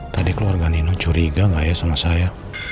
tadi keluarga nino curiga gak ya sama saya